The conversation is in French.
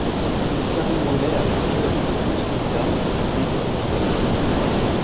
Karim Ouellet a chanté avec les douze candidats, au début de l'épisode.